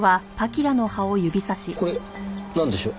これなんでしょう？